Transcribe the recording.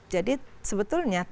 jadi sebetulnya tetap